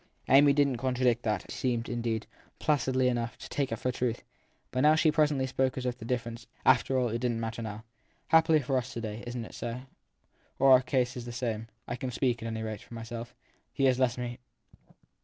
Amy didn t contradict that seemed indeed, placidly enough, to take it for truth ; but she presently spoke as if the differ ence, after all, didn t matter now. Happily for us to day isn t it so ? our case is the same. I can speak, at any rate, for myself. He has left me.